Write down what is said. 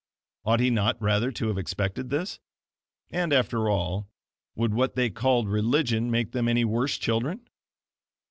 Ought he not rather to have expected this? And after all, would what they called religion make them any worse children?